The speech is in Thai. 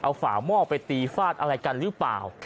เอาฝาหม้อไปตีฟาดอะไรกันหรือเปล่า